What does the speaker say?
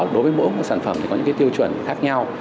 đối với mỗi sản phẩm thì có những tiêu chuẩn khác nhau